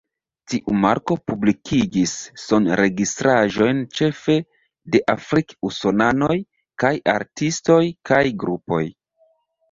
Tiu marko publikigis sonregistraĵojn ĉefe de afrik-usonanoj kaj artistoj kaj grupoj.